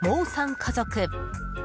家族。